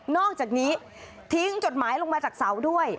อกจากนี้ทิ้งจดหมายลงมาจากเสาด้วย